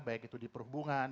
baik itu di perhubungan